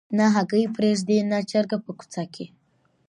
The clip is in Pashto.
نه هګۍ پرېږدي نه چرګه په کوڅه کي